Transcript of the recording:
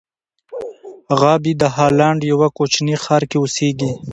غابي د هالنډ یوه کوچني ښار کې اوسېږي.